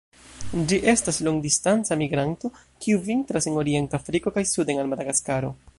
Ĝi estas longdistanca migranto, kiu vintras en orienta Afriko kaj suden al Madagaskaro.